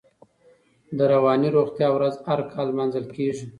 د رواني روغتیا ورځ هر کال نمانځل کېږي.